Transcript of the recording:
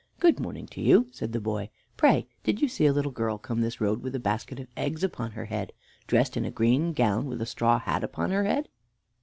"Good morning to you," said the boy. "Pray did you see a little girl come this road with a basket of eggs upon her head, dressed in a green gown, with a straw hat upon her head?"